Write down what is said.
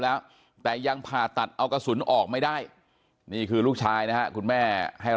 อายุ๑๐ปีนะฮะเขาบอกว่าเขาก็เห็นถูกยิงนะครับ